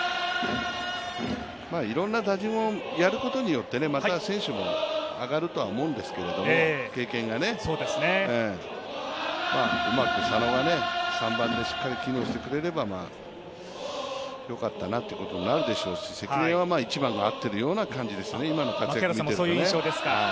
いろんな打順をやることによって、また選手も経験が上がるとは思うんですけど、うまく佐野が３番でしっかり機能してくれればよかったなということなるでしょうし、関根は１番が合ってるような感じですね、今の活躍を見てると。